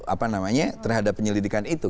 apa namanya terhadap penyelidikan itu